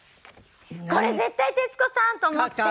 これ絶対徹子さんと思って。